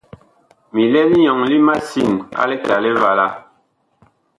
Mi lɛ linyɔŋ li masin a likɛ a Livala.